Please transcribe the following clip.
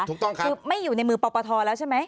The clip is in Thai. ถูกต้องครับคือไม่อยู่ในมือปปทแล้วใช่ไหม